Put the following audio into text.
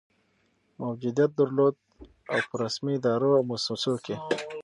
موجودیت درلود، او په رسمي ادارو او مؤسسو کي